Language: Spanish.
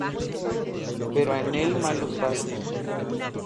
Pero a enel malos pasos.